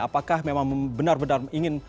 apakah memang benar benar ingin